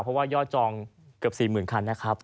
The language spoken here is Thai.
เพราะว่ายอดจองเกือบ๔๐๐๐คันนะครับ